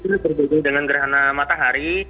tergabung dengan gerhana matahari